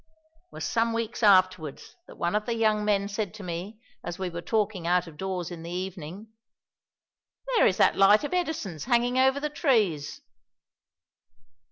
It was some weeks afterwards that one of the young men said to me as we were talking out of doors in the evening: "There is that light of Edison's hanging over the trees."